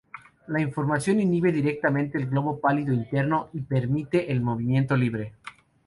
La información inhibe directamente el globo pálido interno y permite el movimiento libre.